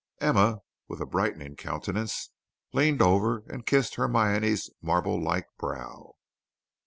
Emma, with a brightening countenance, leaned over and kissed Hermione's marble like brow.